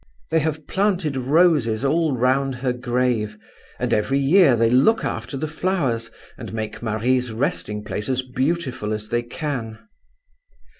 "They have planted roses all round her grave, and every year they look after the flowers and make Marie's resting place as beautiful as they can.